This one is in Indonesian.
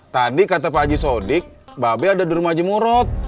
tadi kata pak haji sodik mbak be ada di rumah haji murut